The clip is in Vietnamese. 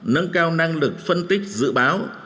nâng cao năng lực phân tích dự báo